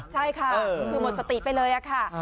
ใช่ค่ะคือหมดสติไปเลยค่ะ